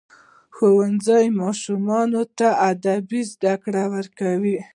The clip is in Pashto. ښوونځی ماشومانو ته د ادب زده کړه ورکوي.